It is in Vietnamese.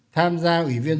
tham gia ủy viên